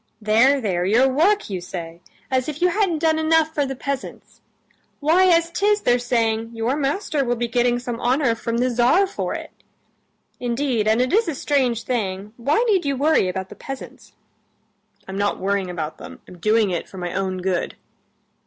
"There, there, your work, you say! As if you hadn't done enough for the peasants! Why, as 'tis, they're saying, 'Your master will be getting some honor from the Tsar for it.' Indeed and it is a strange thing; why need you worry about the peasants?" "I'm not worrying about them; I'm doing it for my own good."